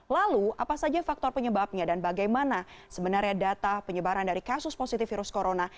lalu apa saja faktor penyebabnya dan bagaimana sebenarnya data penyebaran dari kasus positif virus corona